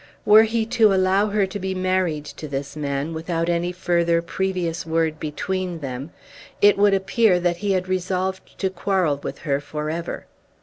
Were he to allow her to be married to this man, without any further previous word between them, it would appear that he had resolved to quarrel with her for ever.